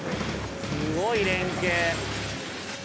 すごい連携。